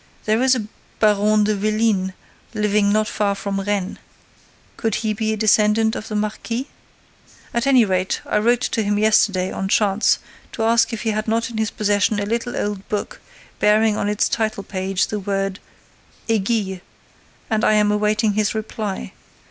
There is a Baron de Vélines living not far from Rennes. Could he be a descendant of the marquis? At any rate, I wrote to him yesterday, on chance, to ask if he had not in his possession a little old book bearing on its title page the word aiguille; and I am awaiting his reply.